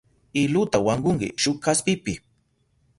Iluta wankunki shuk kaspipi.